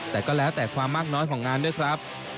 แต่ก็แล้วแต่ความมากน้อยของงานด้วยครับ